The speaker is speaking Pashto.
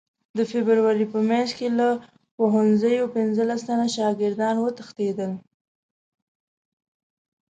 د فبروري په میاشت کې له پوهنځیو پنځلس تنه شاګردان وتښتېدل.